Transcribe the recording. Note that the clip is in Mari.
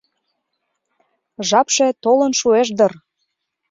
Жапше толын шуэш дыр